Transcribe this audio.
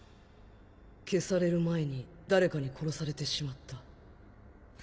消される前に誰かに殺されてしまった。